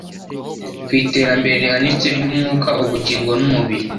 ku iterambere rihanitse ry’umwuka, ubugingo, n’umubiri.